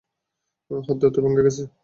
হাত ধরতেই ভাইঙা গেসে।